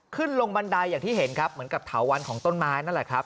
ขึ้นลงบันไดอย่างที่เห็นครับเหมือนกับเถาวันของต้นไม้นั่นแหละครับ